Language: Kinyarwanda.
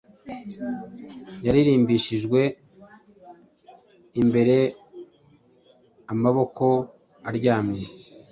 yarimbishijwe imbereamaboko aryamye